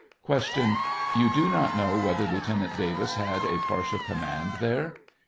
Q. You do not know whether Lieutenant Davis had a partial command there 1 A.